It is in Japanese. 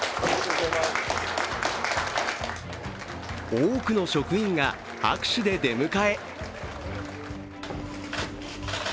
多くの職員が拍手で出迎え。